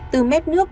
từ mép nước